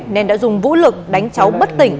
nên đã dùng vũ lực đánh cháu bất tỉnh